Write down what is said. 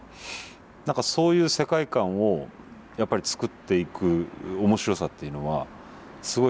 何かそういう世界観をつくっていく面白さっていうのはすごい感じているんですよね